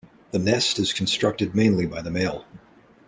The nest is constructed mainly by the male.